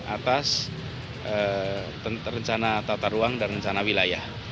atas rencana tata ruang dan rencana wilayah